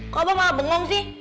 kok abah malah bengong sih